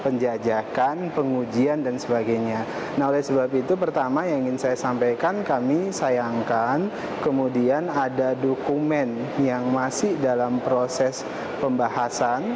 nah saya ingin menyampaikan kami sayangkan kemudian ada dokumen yang masih dalam proses pembahasan